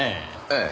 ええ。